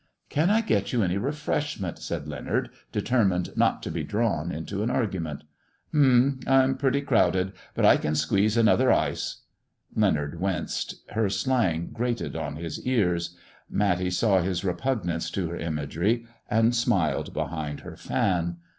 " Can I get you any refreshment 1 " said Leonard, determined not to be drawn into an argument. " H'm ! I'm pretty crowded, but I can squeeze another ice." Leonard winced. Her slang grated on his ears. Matty saw his repugnance to her imagery, and smiled behind her fan.